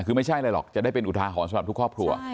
คือไม่ใช่อะไรหรอกจะได้เป็นอุทาหรณ์สำหรับทุกครอบครัว